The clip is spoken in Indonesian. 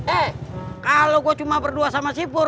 eh kalo gue cuma berdua sama sipur